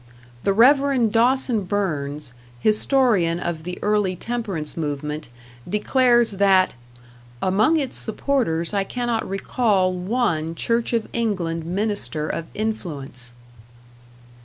The Rev. Dawson Burns, historian of the early temperance movement, declares that "among its supporters I cannot recall one Church of England minister of influence."